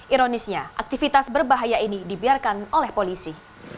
ironisnya aktivitas berbahaya ini dibiarkan oleh polisi